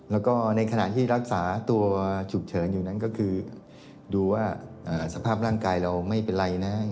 แล้วก็ในขณะที่รักษาตัวฉุกเฉินอยู่นั้นก็คือดูว่าสภาพร่างกายเราไม่เป็นไรนะ